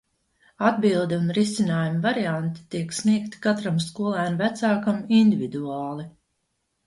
Atbilde un risinājuma varianti tiek sniegti katram skolēna vecākam individuāli.